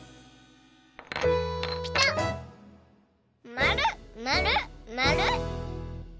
まるまるまる！